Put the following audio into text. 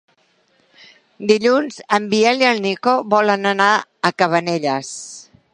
Dilluns en Biel i en Nico volen anar a Cabanelles.